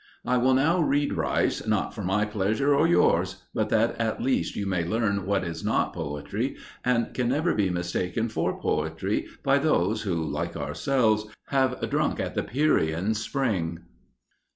I will now read Rice, not for my pleasure or yours, but that at least you may learn what is not poetry, and can never be mistaken for poetry by those who, like ourselves, have drunk at the Pierian spring."